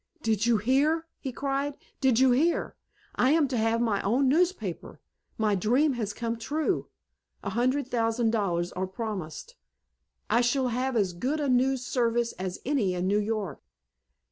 "Did you hear?" he cried. "Did you hear? I am to have my own newspaper. My dream has come true! A hundred thousand dollars are promised. I shall have as good a news service as any in New York."